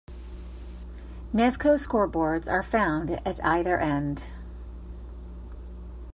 Nevco scoreboards are found at either end.